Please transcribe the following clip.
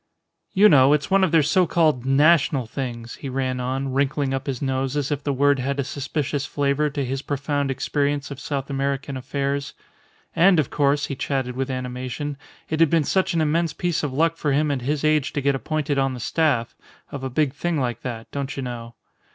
"You know, it's one of their so called national things," he ran on, wrinkling up his nose as if the word had a suspicious flavour to his profound experience of South American affairs. And, of course, he chatted with animation, it had been such an immense piece of luck for him at his age to get appointed on the staff "of a big thing like that don't you know."